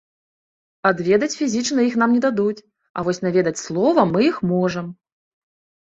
Адведаць фізічна іх нам не дадуць, а вось наведаць словам мы іх можам.